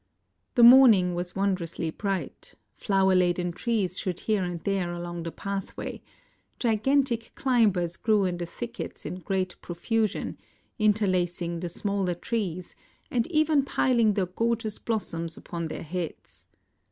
The morning was wondrously bright; flower laden trees stood here and there along the path way; gigantic climbers grew in the thickets in great profusion, interlacing the smaller trees and even piling their gorgeous blossoms upon their heads.